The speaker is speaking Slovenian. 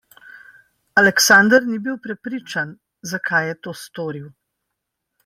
Aleksander ni bil prepričan, zakaj je to storil.